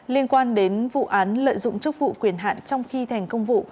liên quan đến vụ án lợi dụng chức vụ quyền hạn trong khi thành công vụ